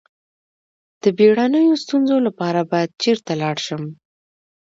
د بیړنیو ستونزو لپاره باید چیرته لاړ شم؟